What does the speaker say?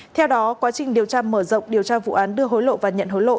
theo đó quá trình điều tra mở rộng điều tra vụ án đưa hối lộ và nhận hối lộ